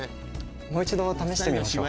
もう一度試してみましょう。